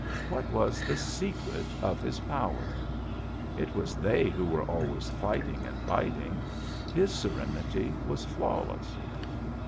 What was the secret of his power? It was they who were always fighting and biting ; his serenity was flawless.